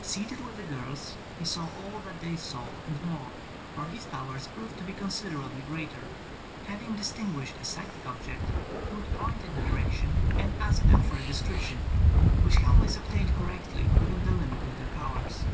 Seated with the girls, he saw all that they saw, and more, for his powers proved to be considerably greater. Having distinguished a psychic object, he would point in the direc tion and ask them for a description, which he always obtained correctly within the limit of their powers.